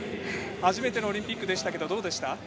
初めてのオリンピック、どうでした？